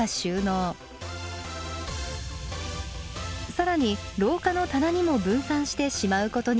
更に廊下の棚にも分散してしまうことに。